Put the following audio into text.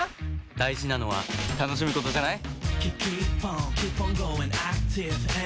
大事なのは楽しむことじゃない？